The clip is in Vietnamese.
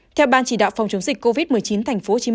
theo ban chỉ đạo phòng chống dịch covid một mươi chín tp hcm